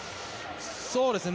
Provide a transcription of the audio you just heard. そうですね。